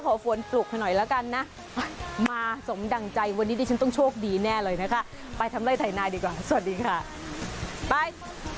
ฝนปลุกให้หน่อยแล้วกันนะมาสมดั่งใจวันนี้ดิฉันต้องโชคดีแน่เลยนะคะไปทำไล่ถ่ายนายดีกว่าสวัสดีค่ะไป